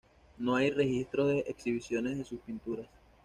No hay registros de exhibiciones de sus pinturas.